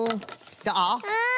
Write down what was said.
あっ！